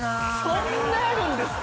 そんなあるんですか？